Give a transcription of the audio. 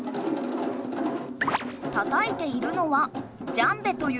たたいているのは「ジャンベ」というたいこ。